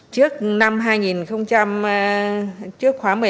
trước năm hai nghìn một mươi năm thì khóa một mươi bốn